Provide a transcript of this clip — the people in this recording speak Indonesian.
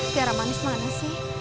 tiara manis mana sih